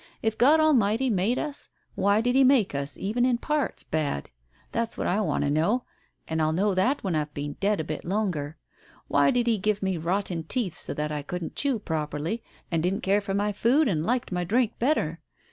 If God Almighty made us, why did He make us, even in parts, bad? That's what I want to know, and I'll know that when I've been dead a bit longer. Why did He give me rotten teeth so that I couldn't chew properly and didn't care for my food and liked drink better?